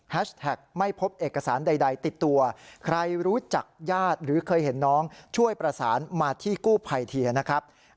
ไม่พบเอกสารใดติดตัวใครรู้จักญาติหรือเคยเห็นน้องช่วยประสานมาที่กู้ภัยเทียนะครับ